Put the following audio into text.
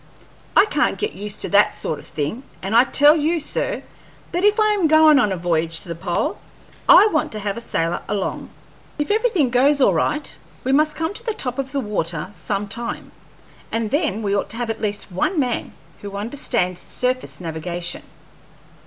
I can't get used to that sort of thing, and I tell you, sir, that if I am goin' on a voyage to the pole, I want to have a sailor along. If everything goes all right, we must come to the top of the water some time, and then we ought to have at least one man who understands surface navigation."